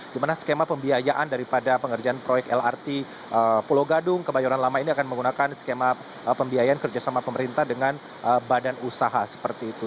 di mana skema pembiayaan daripada pengerjaan proyek lrt pulau gadung kebayoran lama ini akan menggunakan skema pembiayaan kerjasama pemerintah dengan badan usaha seperti itu